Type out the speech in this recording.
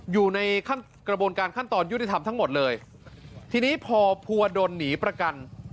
อยู่ในขั้นกระบวนการขั้นตอนยุติธรรมทั้งหมดเลยทีนี้พอภัวดลหนีประกัน